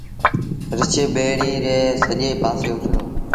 رڇ ٻيڙيٚ ري سڄي پآسي اُڇلو